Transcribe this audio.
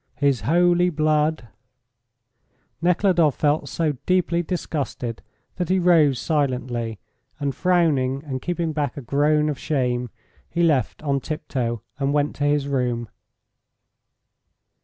His holy blood ..." Nekhludoff felt so deeply disgusted that he rose silently, and frowning and keeping back a groan of shame, he left on tiptoe, and went to his room.